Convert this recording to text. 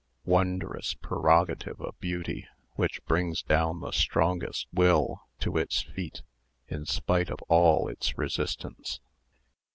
Wondrous prerogative of beauty, which brings down the strongest will to its feet, in spite of all its resistance!